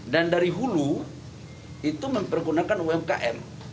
dan dari hulu itu mempergunakan umkm